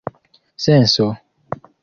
senso